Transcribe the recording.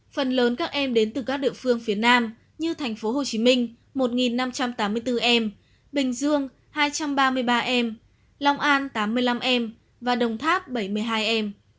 phần lớn các em đến từ các địa phương phía nam như thành phố hồ chí minh một năm trăm tám mươi bốn em bình dương hai trăm ba mươi ba em long an tám mươi năm em và đồng tháp bảy mươi hai em